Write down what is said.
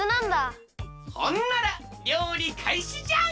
ほんならりょうりかいしじゃ！